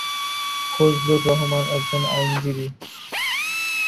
ফজলুর রহমান একজন আইনজীবী।